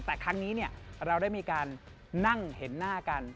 แต่ครั้งนี้เราได้มีการนั่งเห็นหน้ากัน